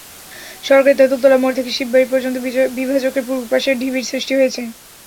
সড়কের তেঁতুলতলা মোড় থেকে শিববাড়ি পর্যন্ত বিভাজকের পূর্ব পাশে ঢিবির সৃষ্টি হয়েছে।